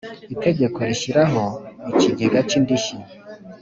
Itegeko rishyiraho ikigega cy indishyi